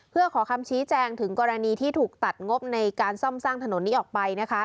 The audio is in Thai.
เพื่อขอคำชี้แจงถึงกรณีที่ถูกตัดงบในการซ่อมสร้างถนนนี้ออกไป